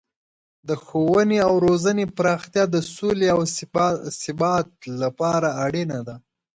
د ښوونې او روزنې پراختیا د سولې او ثبات لپاره اړینه ده.